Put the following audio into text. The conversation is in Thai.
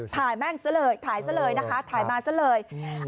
ถ่ายแม่งซะเลยถ่ายมาซะเลย